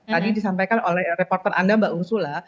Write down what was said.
tadi disampaikan oleh reporter anda mbak ursula